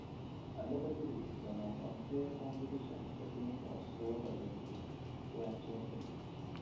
Under the criticism of unfair competition, the team was sold again to Guancheng Group.